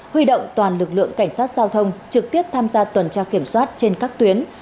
huy động toàn lực lượng cảnh sát giao thông trực tiếp tham gia tuần tra kiểm soát trên các tuyến